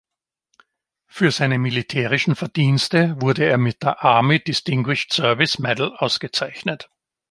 Für seine militärischen Verdienste wurde er mit der Army Distinguished Service Medal ausgezeichnet.